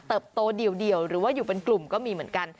โตเดียวหรือว่าอยู่เป็นกลุ่มก็มีเหมือนกัน